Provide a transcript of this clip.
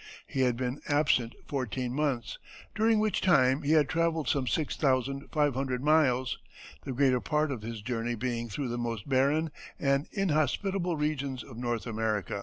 He had been absent fourteen months, during which time he had travelled some six thousand five hundred miles, the greater part of his journey being through the most barren and inhospitable regions of North America.